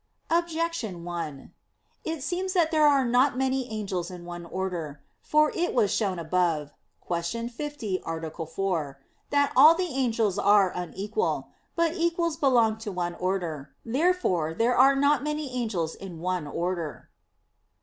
Objection 1: It seems that there are not many angels in one order. For it was shown above (Q. 50, A. 4), that all the angels are unequal. But equals belong to one order. Therefore there are not many angels in one order.